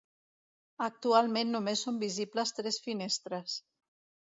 Actualment només són visibles tres finestres.